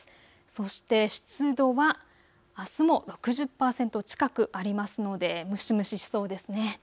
そして湿度はあすも６０％近くありますので蒸し蒸ししそうですね。